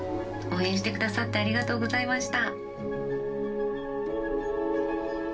応援して下さってありがとうございました。